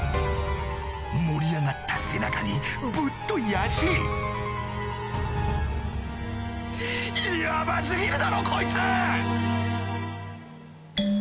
盛り上がった背中にぶっとい足ヤバ過ぎるだろこいつ！